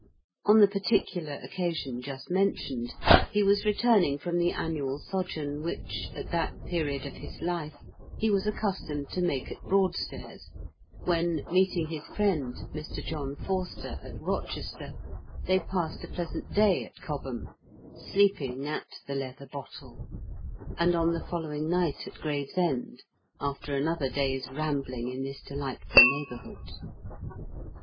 On the particular occasion just mentioned, he was returning from the annual sojourn which, at that period of his life, he was accustomed to make at Broadstairs, when, meeting his friend, Mr. John Forster, at Eochester, they passed a pleasant day at Cobham, sleeping at The Leather Bottle, and on the following night at Gravesend, after another day's rambling in this delightful neighbourhood.